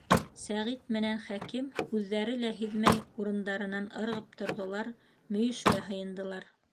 Сәғит менән Хәким үҙҙәре лә һиҙмәй урындарынан ырғып торҙолар, мөйөшкә һыйындылар.